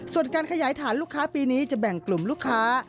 ส่วนการขยายฐานลูกค้าปีนี้จะแบ่งกลุ่มลูกค้า